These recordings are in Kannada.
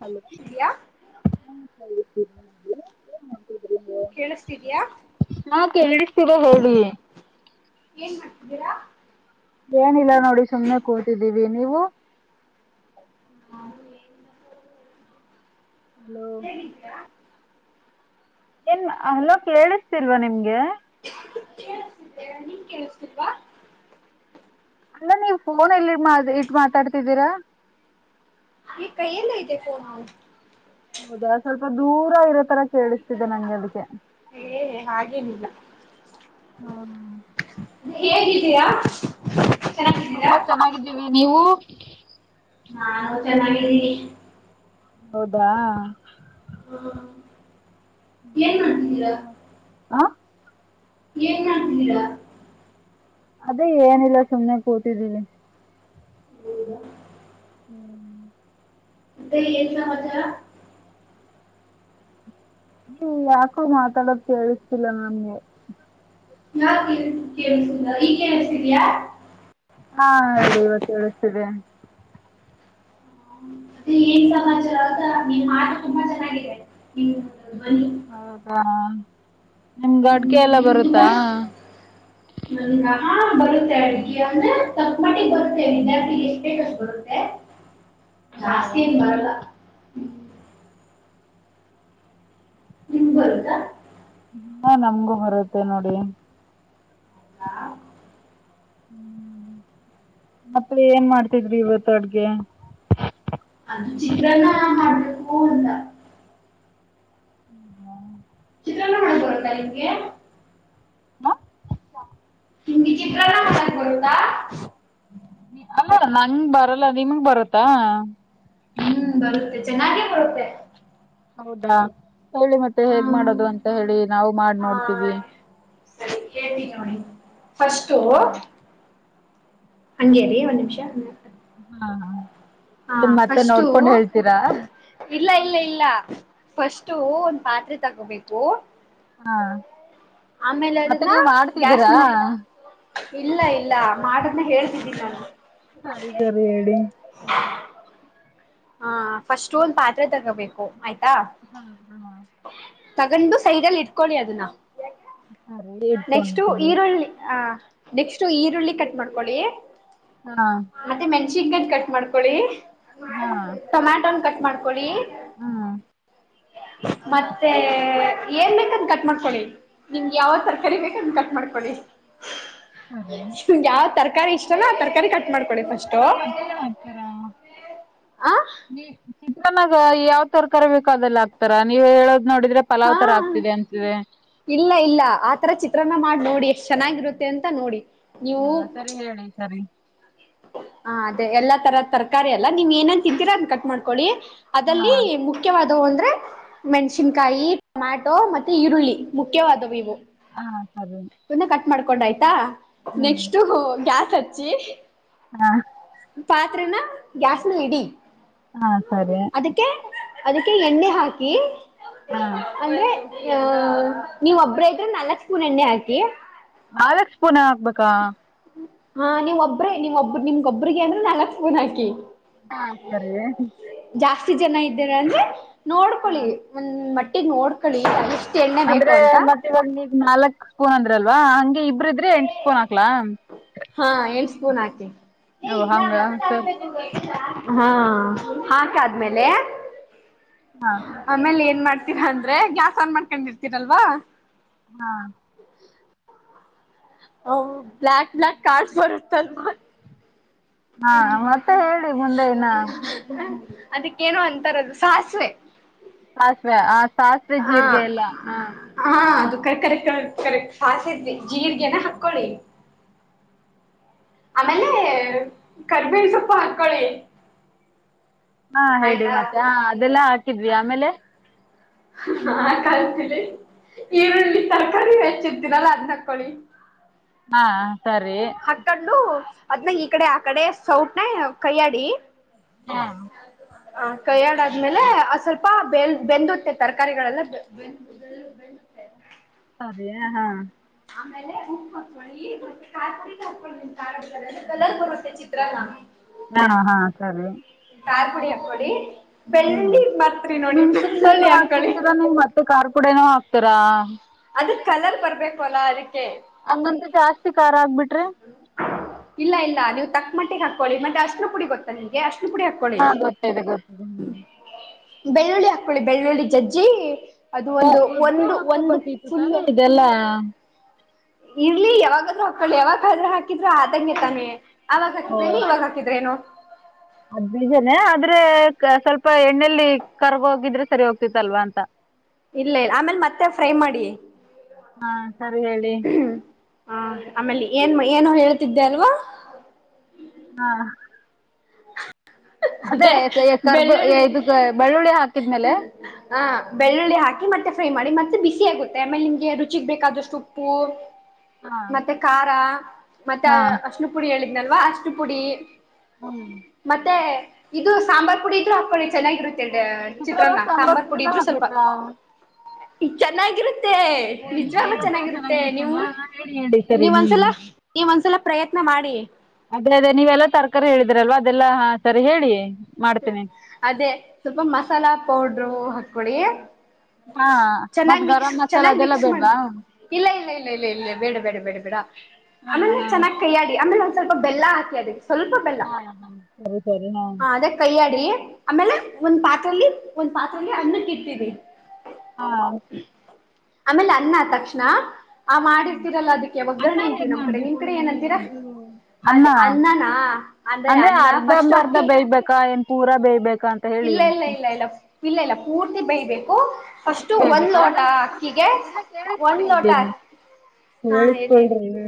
ಹ ಇದ್ಯಾ ಹ ಕೇಳಿಸ್ತಿದ್ಯಾ ನಾ ಕೇಳತರ ಹೇಳಿ ಏನ್ ಮಾಡ್ತಿದ್ದೀರಾ ಏನಿಲ್ಲ ನೋಡಿ ಸುಮ್ನೆ ಕೂತಿದ್ದೀವಿ ನೀವು ಹ ಹೇಗಿದ್ದೀರಾ ಏನ್ ಅಲೋ ಕೇಳಿಸ್ತಿಲ್ವಾ ನಿಮ್ಗೆ ಕೇಳಿಸ್ತಿದ್ದೇರ ನೀನ್ ಕೇಳಸ್ತಿಲ್ವಾ ಅಲ್ಲ ನೀವ್ ಫೋನ್ ಎಲ್ಲಿ ಮಾ ಇಟ್ ಮಾತಾಡ್ತಿದ್ದೀರಾ ಈ ಕೈ ಎಲ್ಲ ಐತೆಫೋನ ಅವನ್ ಹೌದಾ ಸ್ವಲ್ಪ ದೂರ ಇರೋ ತರ ಕೇಳಿಸ್ತಿದೆ ನಂಗೆ ಅದಕ್ಕೆ ಏ ಹಾಗೇನಿಲ್ಲ ಹ್ಮ ಹೇಗಿದೀಯಾ ತುಂಬಾ ಚೆನ್ನಾಗಿದ್ದೀವಿ ನೀವು ನಾನು ಚೆನ್ನಾಗಿದ್ದೀವಿ ಹೌದಾ ಹಾ ಏನ್ ಮಾಡ್ತಿದ್ದೀರಾ ಹಂ ಏನ್ ಮಾಡ್ತಾ ಇದೀರ ಅದೇ ಏನಿಲ್ಲ ಸುಮ್ನೆ ಕೂತಿದೀನಿ ಇ ಹೂ ಮತ್ತೆ ಏನು ಸಮಾಚಾರ ನೀ ಯಾಕೋ ಮಾತಾಡೋದ ಕೇಳಿಸತಿಿಲ್ಲ ನನ್ಗೆ ಯಾ ಕೇಳಿಸುದ ಈಗ ಕಸಿದಯಾ ಹಾ ರಡಿ ಇವತ್ತು ಹೇಳೇಳ್ತಿದೆ ಮತ್ತೆ ಏನ್ ಸಮಾಚಾರ ಆತಾ ನೀನ್್ ಆಟ ತುಂಬಾ ಚೆನ್ನಾಗಿದೆ ನಿ ಹೌದಾ ನಿಮ್ಗೆ ಹೂ ಅಡ್ಗೆ ಎಲ್ಲ ನೀವು ಬರುತ್ತಾ ಬರುತ್ತೆ ಅಡ್ಗೆ ಅಂದ್ರೆ ತಕ್ ಮಟ್ಟಿಿಗೆ ಬರುತ್ತೆ ವಿದ್ಯಾರ್ಥಿ ಎಷ್ಟ ಬೇಕಷ್ಟು ಬರುತ್ತೆ ಜಾಸ್ತಿ ಹೌದಾ ಏನ್ ಬರಲ್ಲ ಹ್ಮ್. ನಿಮ್ ಗೆ ಬರುತ್ತಾ ಹಾ ನಮ್ಗೂ ಬರುತ್ತೆ ನೋಡಿ ಹಾ ಹೂ ಮತ್ತೆ ಏನ್ ಮಾಡ್ತಿದ್್ರಿ ಇವತ್ತು ಅಡ್ಗೆ ಹನ್ನ ಹಾ ಲ್ಲ ಮಳಕರಂದಾ ಇಗ ಹಾ ಹ ಚಿ ಪ್ರಣಾಮ ನಕದ ಅಲ್ಲ ನಂಗೆ ಬರಲ್ಲ ನಿಮಗ್ ಬರತ್ತಾ ಹೂ ಬರುತ್ತೆ ಚೆನ್ನಾಗೇ ಬರುತ್ತೆ ಹೌದಾ ಹೇಳಿ ಮತ್ತೆ ಹೇಗ್ ಹ್ಮ್ ಮಾಡೋದು ಅಂತ ಹೇಳಿ ನಾವು ಮಾಡ್ ಹಾ ನೋಡ್ತೀವಿ ಸರಿ ಹೇಳ್ತೀನಿ ನೋಡಿ ಫಸ್ಟು ಹಾ ಹಂಗೇರಿ ಒಂದ್ ನಿಮಿಷ ಹಾ ಹ ಹಾ ಫಸ್ಟು ಇಲ್ಲ ಇಲ್ಲ ಇಲ್ಲ ಫಸ್ಟು ಒಂದ್ ಪಾತ್ರೆ ತಗೋಬೇಕು ಹಾ ಆಮೇಲೆ ಮತ್ತೆ ಅದನ್ನ ನೀವ್ ಗ್ಯಾಸ್ ಮಾಡ್ತಿದ್ದೀರಾ ಮಿಲ್ ಇಲ್ಲ ಇಲ್ಲ ಮಾಡನ್ನ ಹೇಳ್ತಿದ್ದಿ ನಾನು ಸರಿ ಸರಿ ಹೇಳಿ ಹ ಹ ಫಸ್ಟ್ ಒಂದ್ ಪಾತ್ರೆ ತಗೋಬೇಕು ಆಯ್ತಾ ಹಾ ಹಾ ತಗೊಂಡು ಸೈಡ್ಲ್ ಇಟ್ಕೊಳ್ಳಿ ಅದನ್ನ ಸರಿ ನೆಕ್ಸ್ಟ್ ಇಡ್ಕೊಂತೀವಿ ಈರುಳ್ಳಿ ಆ ನೆಕ್ಸ್ಟ್ ಈರುಳ್ಳಿ ಕಟ್ ಮಾಡ್ಕೊಳ್ಳಿ ಹಾ ಚಿಕ್ಕನ್ ಕಟ್ ಮಾಡ್ಕೊಳ್ಳಿ ಹಾ ಟೊಮ್ಯಾಟೊನ ಕಟ್ ಮಾಡ್ಕೊಳ್ಳಿ ಹಾ ಮತ್ತೆ ಏನ್ ಬೇಕಂದ್ ಕಟ್ ಮಾಡ್ಕೊಡಿ ನಿಮ್ಗೆ ಯಾವ ತರಕಾರಿ ಬೇಕು ಕಟ್ ಮಾಡ್ಕೊಡಿ ಸರಿ ನಿಗೆ ಯಾವ್ ತರಕಾರಿ ಇಷ್ಟಲ್ಲ ತರಕಾರಿ ಕಟ್ಟ ಮಾಡ್ಕೊಳ್ಳಿ ಫಸ್ಟು ಚಿತ್ರಾನ್ನಾಗ ಆ ಚಿನಾಗ ಯಾವ್ ತರಕಾರಿ ಬೇಕು ಅದೆಲ್ಲ ಆಗ್ತಾರ ನೀವ್ ಹೇಳ ಹಾ ಇಲ್ಲ ಇಲ್ಲ ಆತರ ಚಿತ್ರನ್ನ ಮಾಡ ನೋಡಿ ಎಷ್ಟ್ ಚೆನ್ನಾಗಿರುತ್ತೆ ಅಂತ ನೋಡಿ ನೀವು ಹಾ ಸರಿ ಹೇಳಿ ಸರಿ ಹ ಅದೇ ಎಲ್ಲಾ ತರದ ತರಕಾರಿ ಎಲ್ಲಾ ನೀವ್ ಏನನ್ ತಿದ್ದೀರಾ ಅದನ್ ಕಟ್ ಮಾಡ್ಕೊಳ್ಳಿ ಹಾ ಅಲ್ಲಿ ಮುಖ್ಯವಾದ ಅ ಅಂದ್ರೆ ಮೆಣ್ಸಿನ್ಕಾಯಿ ಟೊಮ್ಯಾಟೊ ಮತ್ತೆ ಈರುಳ್ಳಿ ಮುಖ್ಯವಾದವು ಇವು ಹಾ ಸರಿ ತುನ್ನ ಕಟ್ ಮಾಡ್ಕೊಂಡ ಆಯ್ತಾ ಹ್ಮ್ ನೆಕ್ಸ್ಟಗ್ಯಾಸ್ ಹಚ್ಚಿ ಹಾ ಪಾತ್ರೆನ ಗ್ಯಾಸ್ನ ಇಡಿ ಹಾ ಸರಿ ಅದಕ್ಕೆ ಅದಕ್ಕೆ ಎಣ್ಣೆ ಹಾಕಿ ಹಾ ಅಂದ್ರೆ ಹ ನೀವ್ ಒಬ್ರ ಇದ್ರೆ ನಾಲ್ಕ್ ಸ್ಪೂನ್ ಎಣ್ಣೆ ಹಾಕಿ ಆಾವಕ್ ಸ್ ಪೂಣ ಹಾಕ್ಬೇಕಾ ಹಾ ನೀವ್ ಒಬ್ಬ್ರೇ ನೀವ್ ಒಬ್ಬ್ನಿಮ್ಗೊಬ್ರಿಗೆ ಅಂದ್ರೆ ನಲ್ತ್ ಫೋನ್ ಹಾಕಿ ಹಾ ಸರಿ ಜಾಸ್ತಿ ಜನ ಇದ್ದೇನೆ ಅಂದ್ರೆ ಹಾ ನೋಡ್ಕೊಳ್ಳಿ ಒಂದ್ ಮಟ್ಟಿಗೆ ನೋಡ್ ಅಂದ್ರೆ ಮತ್ತೆ ಇವಾಗಗ್ ನಾಲ್ಕ್ ಸ್ಪೂನ್ ಅಂದ್ರಲ್ವಾ ಹ ಇದ್ರೆ ಎಂೋನಕ್ಲಾ ಹಾ ಎ ಸ್ಪೂನ್ ಹಾಕ ಓ ಹಂಗ ಸರಿ ಹಾ ಹಾಕಾದ್ಮೇಲೆ ಹಾ ಆಮೇಲೆ ಏನ್ ಮಾಡ್ತೀರಾ ಅಂದ್ರೆ ಗ್ಯಾಸ್ ಆನ್ ಮಾಡ್ಕೊಂಡ್ ಇರ್ತೀರಲ್ವಾ ಹಾ ಹ ಬ್ಲಯಕ್ ಬ್ಲಯಕ್ ಕಾರಾರ್ಡ್ ಬರುತ ಮ [unintelligible] [inaudible] ಹಾ ಮತ್ತೆ ಹೇಳಿ ಮುಂದೆ ್ ಇನ್ನ ಅದಕ್ಕೇನೋ ಅಂತಾರದು ಸಾಸಿವೆ ಸಾಸಿವೆ ಆ ಸಾಸಿವೆ ಜೀರಿಗೆ ಎಲ್ಲ ಹಾ ರ್ ಕರೆಕ್ ಕಕ್ ಕರೆಕ್ ಕಾಸಿದ್ವಿ ಜೀರ್ಗೆನ ಹಾಕ್ಕೊಳ್ಳಿ ಆಮೇಲೆ ಕರಿಬೇಳ ಸೊಪ್ಪ ಹಾಕೊಳ್ಳಿ ಹಾ ಹೇಳಿ ಆಯ್ತಾ ಮತ್ತೆ ಹ ಅದೆಲ್ಲ ಹಾಕಿದ್ವಿ ಆಮೇಲೆ ನಾ ಕಾಣ ಈರುಳ್ಳಿ ತರಕಾರಿ ಹೆಚ್ಚಿದ್ದೀರಲ್ಲ ಅದ ಹಾಕ್ಕಳಿ ಹಾ ಸರಿ ಹಾಕ್ಕೊಂಡು ಅದ್ನ್ನ ಈ ಕಡೆ ಆ ಕಡೆ ಸೌಟ್ ನ ಕಯಡಿ ಹಾ ಹ ಕೈಯಡಾದ್ಮೇಲೆ ಅ ಸ್ವಲ್ಪ ಬೆಲ್ ಬೆಂದುತ್ತೆ ತರಕಾರಿಗಳೆಲ್ಲ ಬೆಳತ ಅದೆಯ ಹಾ ಆೇಲೆ ಉಪ್ಪು ಹಾಕೊಳ್ಳಿ ಈಗ ಹಕೊಳ್ಳಿ ನಿಮ ಕ ಕಲರ್ ಬರುತ್ತೆ ಚಿತ್ರಲ್ಲ ಹಾ ಹಾ ಸರಿ ಖಾರ ಪುಡಿ ಹಾಕೊಳ್ಳಿ ಹ್ಮ್ ಬೆಳ್ಳುಳ್ಳಿ ಮರ್ತ್ರಿ ನೋಡಿ ಮೆಣ್ಸಿನ್ಕಾಯಿ ಬೆಳ್ಳುಳ್ಳಿ ಹಾಕೊಳ್ಳಿ ಹಾಕಿರ್ತೀರಾ ನೀವು ಮತ್ತೆ ಕಾರ್ ಕೂಡನೋ ಹಾಕ್ತಾರಾ ಅದ್ರ ಕಲರ್ ಬರ್ಬೇಕು ಅಲ್ಲಾ ಅದಕ್ಕೆ ಹಂಗಂತ ಜಾಸ್ತಿ ಖಾರ ಆಗ್ಬಿಟ್ರೆ ಇಲ್ಲ ಇಲ್ಲ ನೀವು ತಕ್ ಮಟ್ಟಿಗೆ ಹಾಕ್ಕೊಳ್ಳಿ ಮತ್ತೆ ಅಷ್ಟರು ಪುಡಿ ಗೊತ್ತಾ ನಿಂಗೆ ಅಷ್ಟ ಪುಡಿ ಹಾಕೊಳ್ಳಿ ಹಾ ಗೊತ್ತಿದೆ ಗೊತ್ತಿದೆ ಬೆಳ್ಳುಳ್ಳಿ ಹಾಕ್ಕೊಳ್ಳಿ ಬೆಳ್ಳುಳ್ಳಿ ಜಜ್ಜಿ ಜಿ ಅದು ಒಂದು ಒಂದು ಒಂದು ಫುಲ್ ಇದೆಲ್ಲ ಇರ್ಲಿ ಯಾವಾಗಾದ್ರೂ ಮಕ್ಕಳು ಯಾವಾಗ ಹದ್ರ ಹಾಕಿದ್ರು ಆದಂಗೆ ತಾನೆ ಓ ಅದಜ ಆದ ಆದ್ರೆ ಸ್ವಲ್ಪ ಎಣ್ಣೆಯಲ್ಲಿ ಕರ್ಗೋಗಿದ್ರೆ ಸರಿ ಹೋಗ್ತಿತ್ತಲ್ವಾ ಅಂತ ಇಲ್ಲ ಇಲ್ಲ ಆಮೇಲೆ ಮತ್ತೆ ಫ್ರೈ ಮಾಡಿ ಹಾ ಸರಿ ಹೇಳಿ ಹ್ಮ್ ಆ ಆಮೇಲೆ ಏನ್ ಏನು ಹೇಳ್ತಿದ್ದೆ ಅಲ್ವಾ ಹಾ ಅದೇ ಅತ್ತೇ ಕರ್ಬ ಬೆಳ್ಳುಳ್ಳಿ ಇದು ಬೆಳ್ಳುಳ್ಳಿ ಹಾಕಿದ್ಮೇಲೆ ಹ ಬೆಳ್ಳುಳ್ಳಿ ಹಾಕಿ ಮತ್ತೆ ಫ್ರೈ ಮಾಡಿ ಮತ್ತೆ ಬಿಸಿ ಆಗುತ್ತೆ ಆಮೇಲೆ ನಿಮ್ಗೆ ರುಚಿಗೆ ಬೇಕಾದಷ್ಟು ಉಪ್ಪು ಹಾ ಮತ್ತೆ ಖಾರ ಮತ್ತೆ ಹಾ ಅಷ್ಟ್ಣ ಪುಡಿ ಹೇಳಿದ್ನಲ್ವಾ ಅಷ್ಟ ಪುಡಿ ಹ್ಮ್ ಮತ್ತೆ ಇದು ಸಾಂಬಾರ್ ಪುಡಿ ಇದ್ರು ಹಾಕ್ಕೊಳ್ಳಿ ಚೆನ್ನಾಗಿರುತ್ತೆ ಚಿತ್ರದಾಗ ಚಿತ್ರನ್ನ ಸಾಂಬಾರ್ ಪುಡಿ ಪುಡಿನ ಇದ್ರರು ಸ್ವಲ್ಪ ಹಾಕ್ಬೇಕಾ ಚೆನ್ನಾಗಿರುತ್ತೆ ಓ ನೀವ್ ನಿಜವಾಗಲ ಹೇಳೋತರ ಚೆನ್ನಾಗಿರುತ್ತೆ ನೀವು ಚೆನ್ನಾಗಿರುತ್ತಲ್ವಾ ಹಾ ಹೇಳಿ ಹೇಳಿ ಸರಿ ನೀವೊಂದ್ಸಲ ಹ್ಮ್ ನೀವ ಒಂದ್ಸಲ ಪ್ರಯತ್ನ ಮಾಡಿ ಅದ್ರೆ ಅದೇ ನೀವೆಲ್ಲಾ ತರಕಾರಿ ಹೇಳಿದ್ರಲ್ವಾ ಅದೆಲ್ಲಾ ಹಾ ಸರಿ ಹೇಳಿ ಮಾಡ್ತೀನಿ ಅದೇ ಸ್ವಲ್ಪ ಮಸಾಲಾ ಪೌಡ್ರು ಹಾಕ್ಕೊಡಿ ಹಾ ಮತ್ ಚೆನ್ನಾಗಿ ಮಿಕ್ಸ್ ಗರಂ ಮಸಾಲ ಚೆನ್ನಾಗಿ ಅದೆಲ್ಲ ಮಿಕ್ಸ್ ಬೇಡ್ವಾ ಮಾಡಿ ಇಲ್ಲ ಇಲ್ಲ ಇಲ್ಲ ಇಲ್ಲ ಇಲ್ಲ ಬೇಡ ಬೇಡ ಬೇಡ ಬೇಡ ಹಾ ಆಮೇಲೆ ಹಾ ಚನ್ನಾಗ್ ಕೈಯ್ಯಾಡಿ ಆಮೇಲೆ ಒಂದ್ ಸ್ವಲ್ಪ ಬೆಲ್ಲ ಹಾಕಿ ಅದಕ್ಕೆ ಸ್ವಲ್ಪ ಬೆಲ್ಲ ಹಾ ಹಾ ಸರಿ ಸರಿ ಹಾ ಹ ಅದೇ ಕೈಯ್ಯಾಡಿ ಆಮೇಲೆ ಒಂದ್ ಪಾತ್ರೆಯಲ್ಲಿ ಒಂದ್ ಪಾತ್ರೆಯಲ್ಲಿ ಅನ್ನಕ್ಕೆ ಇಡ್ತೀರಿ ಹಾ ಆಮೇಲೆ ಅನ್ನ ತಕ್ಷಣ ಆ ಮಾಡಿರ್ತೀರಲ್ಲ ಅದಕ್ಕೆ ಒಗ್ಗರಣೆ ಅಂತೀವ ನಮ್ ಕಡೆ ನಿಮ್ ಕಡೆ ಏನಂತೀರಾ ಅನ್ನ ಅದೇ ಅನ್ನನಾ ಅಂದ್ರೆ ಅನ್ನ ಫಸ್ಟ್ ಅಕ್ಕೆ ಅಕ್ಕಾಯಏನ್ ಪೂರಾ ಬೇಬೇಕಾ ಅಂತ ಹೇಳಿ ಇಲ್ಲ ಇಲ್ಲ ಇಲ್ಲ ಇಲ್ಲ ಪೂರ್ತಿ ಬೇಯಬೇಕು ಪೂರ್ತಿ ಫಸ್ಟು ಒಂದು ಬೇಯ್ಬೇಕಾ ಲೋಟ ಅಂದ್ರೆ ಪೂರ್ತಿ ಅಕ್ಕಿಗೆ ಒಂದು ಲೋಟ ಅಕ್ಕಿ ಹಾ ಹೇಳಿ ಹೇಳಿ ಹೇಳ್ಸ್ಕೊಳ್ರಿ ಹ್ಮ್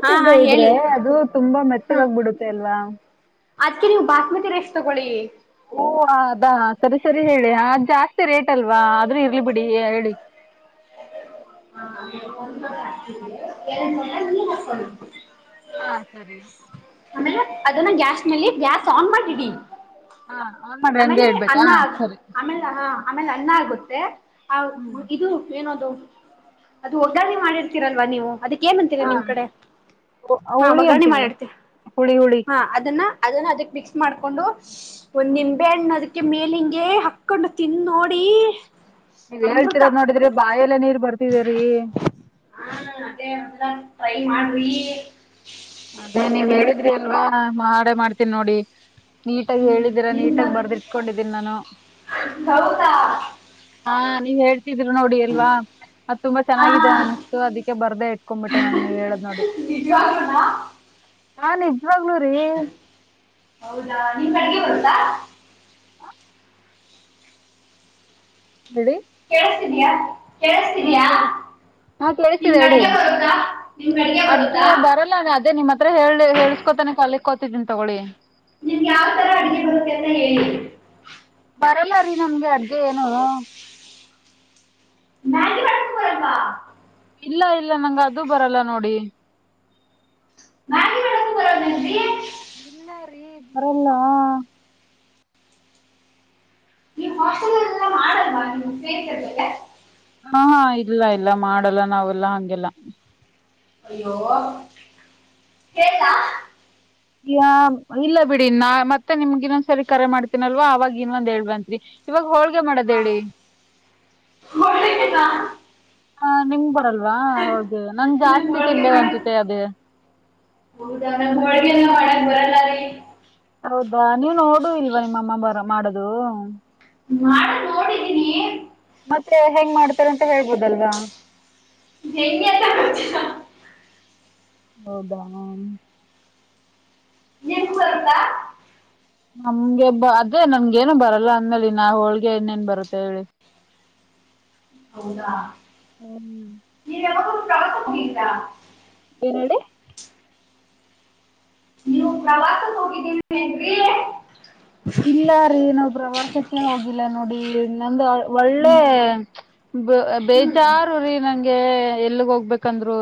ಹಾ ಹಾ ಹೇಳಿ ಬೇದ್ರೆ ಅದು ತುಂಬಾ ಮೆತ್ತಗಾಗಬಿಡುತ್ತೆ ಅಲ್ವಾ ಅದ್ಕ ನೀವು ಬಸ್ಮತಿ ರೈಸ್ ತಗೊಳ್ಳಿ ಓ ಅದಾ ಸರಿ ಸರಿ ಹೇಳಿ ಹಾಗ ಜಾಸ್ತಿ ಮೆ ರೇಟ್ ಅಲ್ವಾ ಆದ್ರೂ ಇರ್ಲಿ ಬಿಡಿ ಹೇಳಿ [inaudible] ಹಾ ಸರಿ ಅಂದ್ರೆ ಅದನ್ನ ಗ್ಯಾಸ್ ನಲ್ಲಿ ಗ್ಯಾಸ್ ಆನ್ ಮಾಡಿಡಿ ಹಾ ಆನ್ ಮಾಡಿ ಹಂಗೆ ಆಮೇಲೆ ಇಡ್ಬೇಕಾ ಅನ್ನ ಆ ಸರಿ ಆಮೇಲೆ ಆಮೇಲೆ ಅನ್ನ ಆಗುತ್ತೆ ಆ ಇದು ಏನದು ಅದು ಒಗ್ಗರಣೆ ಮಾಡಿರ್ತೀರಲ್ವಾ ನೀವು ಅದಕ್ಕೆ ಏನ್ಂತೀರ ನಿಮ್ ಕಡೆ ಹಾ ಹುಳಿ ಒಗರಣೆ ಅಂತೀವಿ ಮಾಡಿಡ್ತ ಹುಳಿ ಹುಳಿ ಹಾ ಅದನ್ನ ಅದನ್ನ ಅದಕ್ ಮಿಕ್ಸ್ ಮಾಡಕೊಂಡು ಒಂದು ನಿಂಬೆ ಹಣ್ಣ ಅದ ಅ ಮೇಲಿಂಗೆ ಹಕ್ಕೊಂಡು ತಿನ್ ನೋಡಿ ನೀವ್ ಅಮೃತ ಹೇಳ್ತಿರೋದ್ ನೋಡಿದ್ರಿ ಬಾಯ ಎಲ್ಲ ನೀರ್ ಬರ್ತಿದರಿ ಹಾ ಅದೇ ಒಂದ್ಸಲ ಟ್ರೈ ಮಾಡ್ರಿ ಅದೇ ನೀವ್ ಹೇಳಿದ್ರಿ ಅಲ್ವಾ ಮಾಡೆ ಮಾಡ್ತಿವಿ ನೋಡಿ ನೀಟಾಗಿ ಹ್ಮ್, ಹೇಳಿದ್ದೀರಾ ನಿನ್ ನೀಟಾಗಿ ಬ- ಬರ್ದ್ಟ್ಕೊಂಡಿದ್ದೀನಿ ನಾನು ಹೌದಾ ಹಾ ನೀವ್ ನೋಡಿ ಎಲ್ವಾ ಅ ತುಂಬಾ ಹಾ ಚೆನ್ನಾಗಿದೆ ಅನಿಸತು ಅದಕ್ಕೆ ಬರ್ದೆೇ ಇಟ್ಕೊಂಡ್ಬಿಟ್ಟೆ ನಾನನ್ ನೀವ್ ಹೇಳದ್ ನೋಡಿ ನಿಜ [unintelligible] ನಾನ್ ಏನೆಂದೇ ಹೌದಾ ನೀನ್ [unintelligible] ಹೇಳಿ ಕೇಳಿಸ್ತಿದ್ಯಾ ಕೇಳಿಸ್ತಿದ್ಯಾ ಹಾ ಕೇಳತಿದೆೇ ನಿಮ್ಗೆ ಹೇಳಿ ಅಡ್ಗೆ ಬರುತ್ತಾ ನಿಮ್ಗೆ ಅಡ್ಗೆ ಬರುತ್ತಾ ಬರಲ್ಲ ಅದೇ ನಿಮ್ಮ ಹತ್ರ ಹೇಳಿ ಹೇಳಸ್ಕೋತಾನೆ ಕಲಿಕ್ ಕೋತಿದ್ದೀನಿ ತಗೊಳ್ಳಳಿ. ನಿಮ್ ಯಾವ್ ತರ ಅಡಗೆ ಬರುತ್ತೆ ಅಂತ ಹೇಳಿ. ಬರಲ್ಲ ರೀ ನಮ್ಗೆ ಅಡ್ಗೆ ಏನು. ಮ್ಯಾಂಗಿ ಮಾಡಕ್ ಬರಲ್ವಾ. ಇಲ್ಲ ಇಲ್ಲ ನಂಗ ಅದು ಬರಲ್ಲ ನೋಡಿ. ಮ್ಯಾಗಿ ಮಾಡೋಕು ಬರಲ್ವೇನ್ರಿ ಇಲ್ಲ ರೀ ಬರಲ್ಲ ನೀವ್ ಹಾಸ್ಟೆಲ್ ಎಲ್ಲ ಮಾಡಲ್ವಾ ನಿಮ್ಮ ಸೇತದೆ ಹಾ ಹಾ ಇಲ್ಲ ಇಲ್ಲ ಮಾಡಲ್ಲ ನಾವೆಲ್ಲಾ ಹಂಗೆಲ್ಲ ಅಯ್ಯೋ ಹೇಳತಾ [inaudible] ಅ ಇಲ್ಲ ಬಿಡಿ ನಾ ಮತ್ತೆ ನಿಮ್ಗ ಇನ್ನೊಂದ್ಸರಿ ಕರೆ ಮಾಡ್ತೀನಲ್ವ ಅವಾಗ ಇನ್ನೊಂದು ಹೇಳ್ಬಂತ್ರಿ. ಇವಾಗ ಹೊಲ್ ಹಾ ಬಳ್ಳ. [unintelligible] ಹ ನಿಮ್ ಬರಲ್ವಾ. ಹೋಗ ನನ್ ನಂಗೆ ಜಾಸ್ತಿ ಹೋಳಿಗೆ ತಿಂದೆ ಮಾಡಕ್ ಅನ್ಸುತ್ತೆ ಅದ. ಹೌದಾ ನಮ್ಗ್ ಹೋಳ್ಗೆನ ಮಾಡಕ್ ಬರಲ್ಲ ರೀ. ಹೌದಾ ನೀವು ನೋಡ ಇಲ್ವಾ ನಿಮ್ಮಮ್ಮ ಬರ ಮಾಡದು. ಮಾಡಿ ನೋಡಿದೀನಿ. ಮತ್ತೆ ಹೆಂಗ್ ಮಾಡ್ತಾರೆ ಅಂತ ಹೇಳ್ಬೋದಲ್ವಾ. ಹೆಂಗೆ ಅಂತ ಗೊತ್ತಿಲ್ಲ. ಹೌದಾ. ನಿಮಗ ಬರುತ್ತಾ. ನಮ್ಗೆ ಬ ಅದೇ ನಮ್ಗ ಏನು ಬರಲ್ಲ ಅಂದಲ್ಲಿ ನಾ ಹೋಳ್ಗೆ ಇನ್ನೇನ್ ಬರುತ್ತೆ ಹೇಳಿ. ಹೌದಾ ಹ್ಮ್ [inaudible] ಏನ್ ಹೇಳಿ ನೀವು ಪ್ರವಾಸಕ್ಕೆ ಹೋಗಿದ್ದೀ ಇಲ್ಲ ರೀ ನವು ಪ್ರವಾಸಕ್ಕೆೇ ಹೋಗಿಲ್ಲ ನೋಡಿ ನಂದು ಒಳ್ಳೆ. ಹ್ಮ್ ಬ ಹ್ಮ್ ಬೇಜಾರು ರೀ ನಂಗೆ ಎಲ್ಗ್ ಹೋಗ್ಬೇಕಂದ್ರು.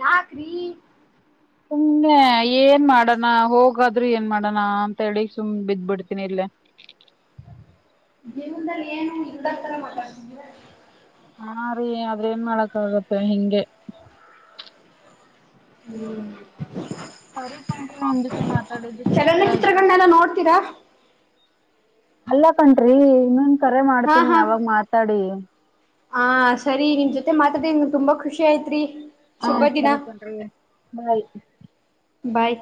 ಯಾಕ್ರೀ ಸುಮ್ನೇ ಏನ್ ಮಾಡೋಣ ಹೋಗ ಹಗಾದ್ರೂ ಏನ್ ಮಾಡೋಣ ಅಂತ ಹೇಳಿ ಸುಮ್ ಬಿದ್ದ್ ಬಿಡ್ತೀನಿ ಇಲ್ಲೆ ದೇವದಲ್ಲಿ ಏನು ಇಡರ್ತಲ್ಲ ಮಾತಾಡ್ತ ಇದೀರಾ ಹಾ ರೀ ಆದದ್ರ ಏನ್ ಮಾಡಕ್ ಆಗತ್ತೆ ಹಿಂಗೆ ಹ್ಮ್ ಕರಿಕಂಡು ನಿನ್ ಜೊತೆ ಮಾತಾಡಿದ್ದು ತುಂಬಾ ಖುಷಿಯಾಯಿತು. ಚಲನಚಿತ್ರಗಳನ್ನೆಲ್ಲ ನೋಡ್ತೀರಾ ಅಲ್ಲ ಕಣ್ರಿ ಇನ್ನೊಂದ ಕರೆ ಮಾಡ್ತೀನಿ ಯಾವಾಗ ಮಾತಾಡಿ ಹ ಸರಿ ನಿಮ ಜೊತೆ ಮಾತಾಡಂಗ ತುಂಬಾ ಖುಷಿ ಆಯತ್ರಿ ಹಾ ಸರಿ ಕಣ್ರಿ ಬಾಯ್. ಬಾಯ್